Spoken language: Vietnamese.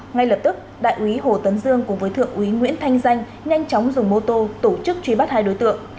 ngay lập tức đại úy hồ tấn dương cùng với thượng úy nguyễn thanh danh nhanh chóng dùng mô tô tổ chức truy bắt hai đối tượng